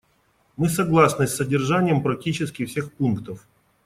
Мы согласны с содержанием практически всех пунктов.